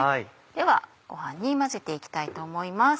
ではご飯に混ぜて行きたいと思います。